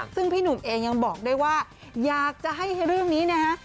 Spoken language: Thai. ซึ่งพี่หนุ่มเองยังบอกด้วยว่าอยากจะให้เรื่องนี้นะฮะ